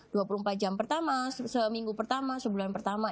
dua puluh empat jam pertama seminggu pertama sebulan pertama